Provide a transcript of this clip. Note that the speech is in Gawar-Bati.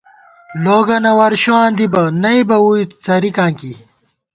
لوگَنہ ورشوواں دِبہ ، نئ بہ ووئی څرِکاں کی